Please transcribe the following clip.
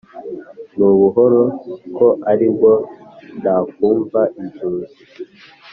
nubuhoro ko aribwo nakumva inzuzi